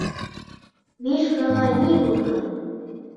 Мишкаға ни булған?